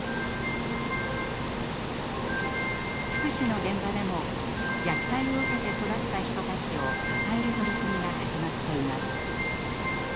福祉の現場でも虐待を受けて育った人たちを支える取り組みが始まっています。